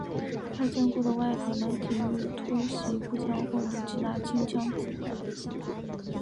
他坚固的外壳能抵御突袭步枪或者其他轻机枪的子弹。